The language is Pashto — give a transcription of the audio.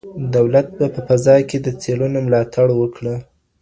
دولت به په فضا کي د څېړنو ملاتړ وکړي.